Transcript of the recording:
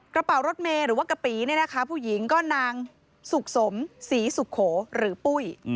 กระเป๋ารถเมย์หรือว่ากระปีเนี่ยนะคะผู้หญิงก็นางสุขสมศรีสุโขหรือปุ้ย